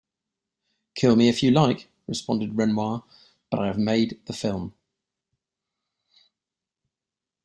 "Kill me if you like", responded Renoir, "but I have made the film".